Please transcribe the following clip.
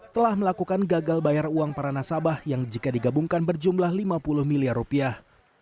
telah melakukan gagal bayar uang para nasabah yang jika digabungkan berjumlah lima puluh miliar rupiah